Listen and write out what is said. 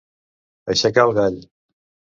Aixecar el gall.